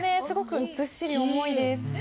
すごくずっしり重いです。